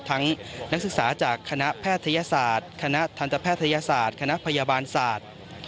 นักศึกษาจากคณะแพทยศาสตร์คณะทันตแพทยศาสตร์คณะพยาบาลศาสตร์